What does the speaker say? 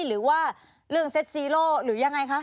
หรือว่าเรื่องเซ็ตซีโร่หรือยังไงคะ